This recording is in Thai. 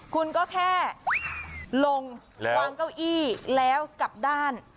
คุณก็แค่ลงวางเก้าอี้แล้วกลับด้าน